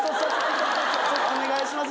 お願いします